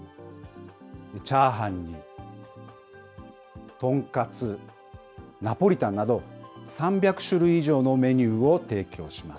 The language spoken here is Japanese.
チャーハンに、豚カツ、ナポリタンなど、３００種類以上のメニューを提供します。